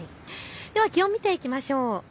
気温を見ていきましょう。